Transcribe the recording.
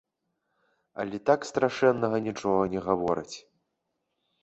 Але так страшэннага нічога не гавораць.